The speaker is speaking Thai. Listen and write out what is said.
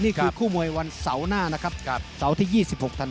นี่คือคู่มวยวันเสาร์หน้าเสาร์ที่๒๖ธันวัน